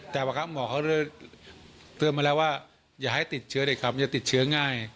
แต่บางครั้งหมอเขาเตือนมาแล้วว่าอย่าให้ติดเชื้อเด็กครับอย่าติดเชื้อง่าย